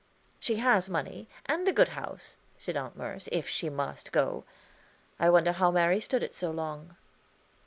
"She has money, and a good house," said Aunt Merce, "if she must go. I wonder how Mary stood it so long."